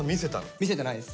見せてないです。